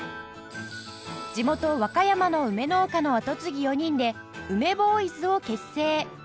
地元和歌山の梅農家の後継ぎ４人で梅ボーイズを結成